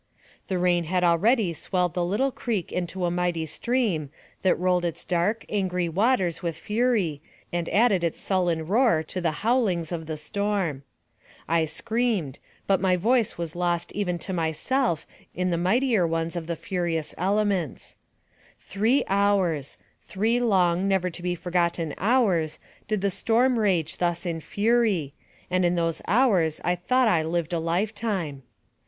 The rain had already swelled the little creek into a mighty stream, that rolled its dark, angry waters with fury, and added its sullen roar to the bowlings of the storm. I screamed, but my voice was lost even to 7 74 NARRATIVE OF CAPTIVITY myself in the mightier ones of the furious elements. Three hours three long, never to be forgotten hours did the storm rage thus in fury, and in those hours I thought I lived a life time!